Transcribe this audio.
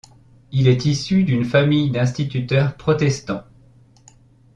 Il est issu d'une famille d'instituteur protestants.